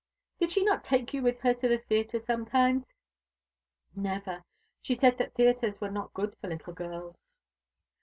"Did she not take you with her to the theatre sometimes?" "Never. She said that theatres were not good for little girls."